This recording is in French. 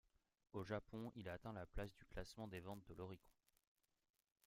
Au Japon, il atteint la place du classement des ventes de l'Oricon.